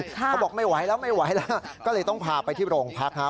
เขาบอกไม่ไหวต้องพาไปที่โรงพักที่